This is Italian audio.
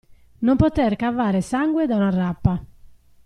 Non poter cavare sangue da una rapa.